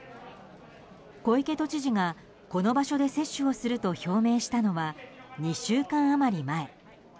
小池都知事が、この場所で接種をすると表明したのは２週間余り前。